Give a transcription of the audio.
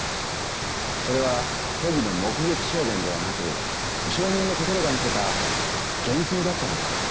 それは虚偽の目撃証言ではなく証人の心が見せた幻想だったのではないでしょうか。